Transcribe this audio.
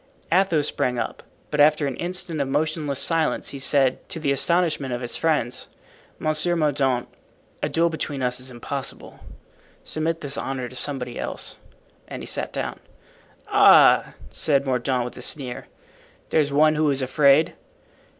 Athos sprang up, but after an instant of motionless silence he said, to the astonishment of his friends, "Monsieur Mordaunt, a duel between us is impossible. Submit this honour to somebody else." And he sat down. "Ah!" said Mordaunt, with a sneer, "there's one who is afraid."